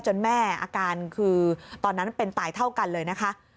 แม่อาการคือตอนนั้นเป็นตายเท่ากันเลยนะคะ